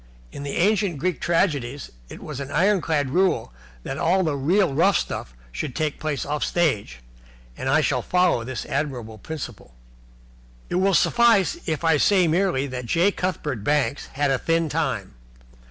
In the ancient Greek tragedies it was an ironclad rule that all the real rough stuff should take place off stage, and I shall follow this admirable principle. It will suffice if I say merely that J. Cuthbert Banks had a thin time.